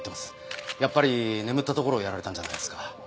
やっぱり眠ったところをやられたんじゃないですか？